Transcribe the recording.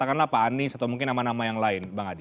katakanlah pak anies atau mungkin nama nama yang lain bang adi